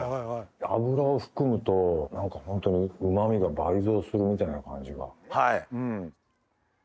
油を含むと何かホントにうま味が倍増するみたいな感じが。